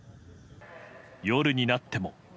夜になっても。